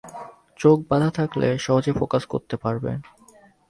চোখ বাধা থাকলে সহজে ফোকাস করতে পারবে।